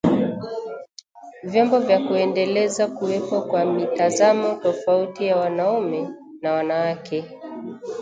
vyombo vya kuendeleza kuwepo kwa mitazamo tofauti ya wanaume na wanawake